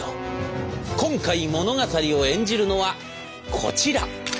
今回物語を演じるのはこちら。